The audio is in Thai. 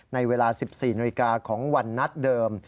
ในเวลา๑๔นาฬิกาของวันนัดเดิม